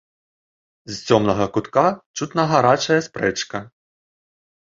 З цёмнага кутка чутна гарачая спрэчка.